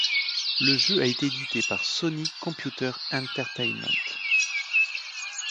Le jeu a été édité par Sony Computer Entertainment.